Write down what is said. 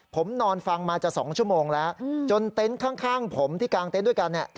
ผมนอนฟังมาจะ๒ชั่วโมงแล้วจนเต็นต์ข้างผมที่กางเต็นต์ด้วยกันเนี่ย